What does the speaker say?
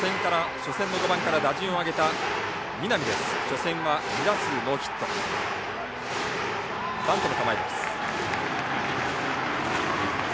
初戦は２打数ノーヒット。